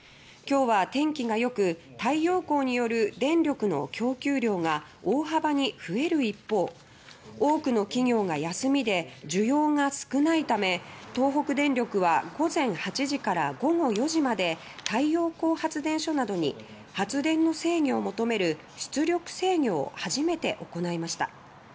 今日は天気が良く太陽光による電力の供給量が大幅に増える一方多くの企業が休みで需要が少ないため東北電力は午前８時から午後４時まで太陽光発電所などに発電の制御を求める「出力制御」を初めて行いました。